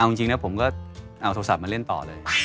เอาจริงนะผมก็เอาโทรศัพท์มาเล่นต่อเลย